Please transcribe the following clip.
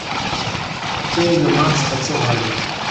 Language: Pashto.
ته له ما څخه څه غواړې